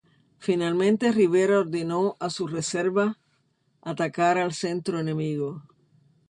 Finalmente Rivera ordenó a su reserva atacar al centro enemigo.